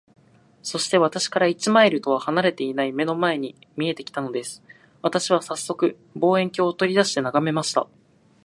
そして、私から一マイルとは離れていない眼の前に見えて来たのです。私はさっそく、望遠鏡を取り出して眺めました。